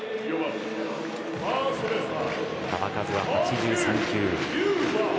球数は８３球。